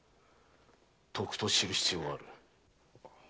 とくと知る必要がある。